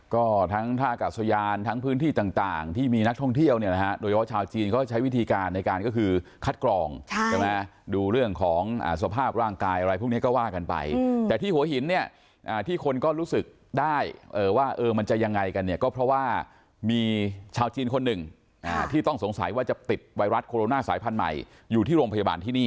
ก็ทั้งท่ากาศยานทั้งพื้นที่ต่างที่มีนักท่องเที่ยวเนี่ยนะฮะโดยเฉพาะชาวจีนเขาใช้วิธีการในการก็คือคัดกรองใช่ไหมดูเรื่องของสภาพร่างกายอะไรพวกนี้ก็ว่ากันไปแต่ที่หัวหินเนี่ยที่คนก็รู้สึกได้ว่ามันจะยังไงกันเนี่ยก็เพราะว่ามีชาวจีนคนหนึ่งที่ต้องสงสัยว่าจะติดไวรัสโคโรนาสายพันธุ์ใหม่อยู่ที่โรงพยาบาลที่นี่